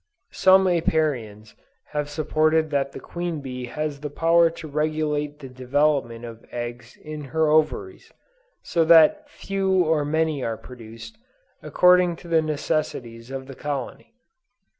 Some Apiarians have supposed that the queen bee has the power to regulate the development of eggs in her ovaries, so that few or many are produced, according to the necessities of the colony.